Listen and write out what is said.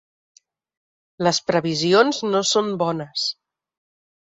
Les previsions no són bones.